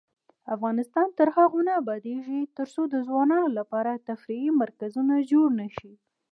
افغانستان تر هغو نه ابادیږي، ترڅو د ځوانانو لپاره تفریحي مرکزونه جوړ نشي.